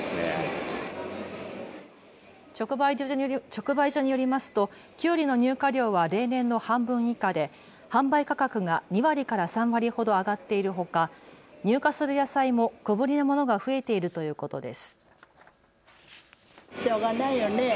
直売所によりますとキュウリの入荷量は例年の半分以下で販売価格が２割から３割ほど上がっているほか、入荷する野菜も小ぶりなものが増えているということです。